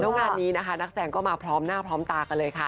แล้วงานนี้นะคะนักแสดงก็มาพร้อมหน้าพร้อมตากันเลยค่ะ